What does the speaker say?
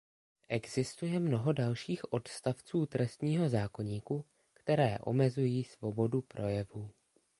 Existuje mnoho dalších odstavců trestního zákoníku, které omezují svobodu projevu.